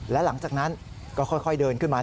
และหลังจากนั้นก็ค่อยเดินขึ้นมา